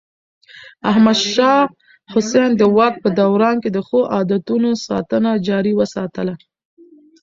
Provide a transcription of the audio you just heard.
احمد شاه حسين د واک په دوران کې د ښو عادتونو ساتنه جاري وساتله.